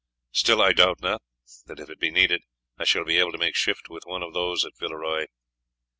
Still, I doubt not that, if it be needed, I shall be able to make shift with one of those at Villeroy."